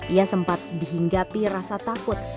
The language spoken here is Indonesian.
ia sempat dihinggapi rasa takut